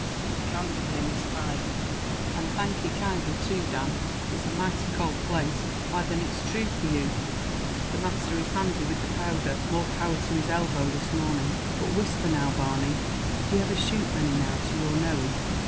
and he handed him his pipe. "And thank ye kindly too, Dan; it's a mighty cowld place. Why thin it's thrue for you, the masther is handy with the powdher; more power to his elbow this morning." "But whisper now, Barney, did he iver shoot many now to your knowing?